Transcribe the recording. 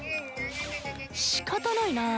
しかたないな。